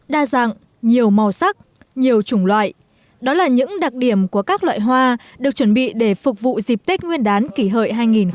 đa dạng nhiều màu sắc nhiều chủng loại đó là những đặc điểm của các loại hoa được chuẩn bị để phục vụ dịp tết nguyên đán kỷ hợi hai nghìn một mươi chín